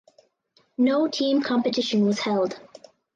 No team competition was held.